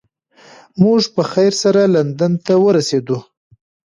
موږ په خیر سره لندن ته ورسیدو.